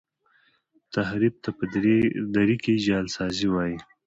تحریف ته په دري کي جعل سازی وايي.